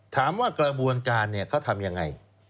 ถามว่ากระบวนการเขาทำยังไง